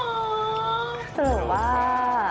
จะเหลือว่า